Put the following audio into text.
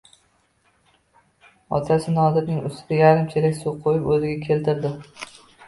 Otasi Nodirning ustidan yarim chelak suv quyib o‘ziga keltirdi.